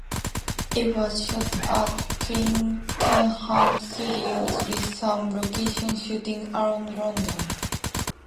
It was shot at Twickenham Studios with some location shooting around London.